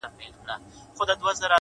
o تا ولي په مسکا کي قهر وخندوئ اور ته ـ